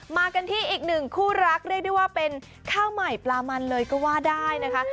มากันที่อีกหนึ่งคู่รักเรียกได้ว่าเป็นข้าวใหม่ปลามันเลยก็ว่าได้นะคะ